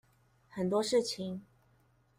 很多事情